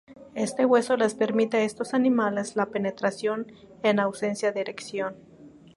Este hueso les permite a estos animales la penetración en ausencia de erección.